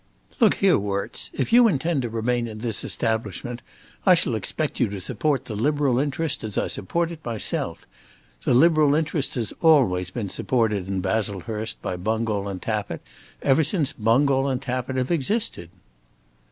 "Look here, Worts; if you intend to remain in this establishment I shall expect you to support the liberal interest, as I support it myself. The liberal interest has always been supported in Baslehurst by Bungall and Tappitt ever since Bungall and Tappitt have existed."